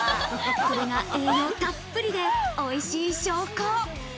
これが栄養たっぷりでおいしい証拠。